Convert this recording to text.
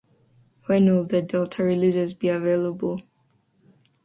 When will the delta releases be available?